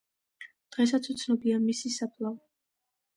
დღესაც უცნობია მისი საფლავი.